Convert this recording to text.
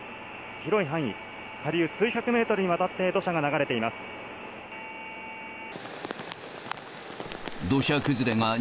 広い範囲、下流数百メートルにわたって、土砂が流れています。